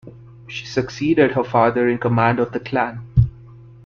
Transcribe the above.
She succeeded her father in command of the clan.